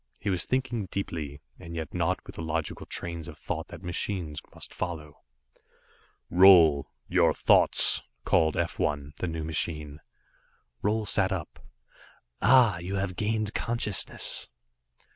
He was thinking deeply, and yet not with the logical trains of thought that machines must follow. "Roal your thoughts," called F 1, the new machine. Roal sat up. "Ah you have gained consciousness."